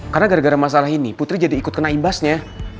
karena gara gara masalah ini putri jadi ikut kena ibasnya